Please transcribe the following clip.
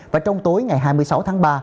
và trong tối ngày hai mươi sáu tháng ba